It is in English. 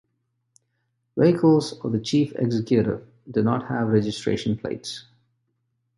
Vehicles of the Chief Executive do not have registration plates.